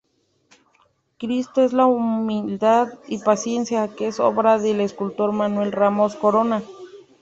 Cristo de la Humildad y Paciencia, que es obra del escultor Manuel Ramos Corona.